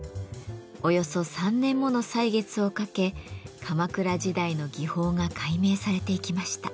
およそ３年もの歳月をかけ鎌倉時代の技法が解明されていきました。